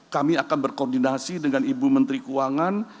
kami akan berkoordinasi dengan ibu menteri keuangan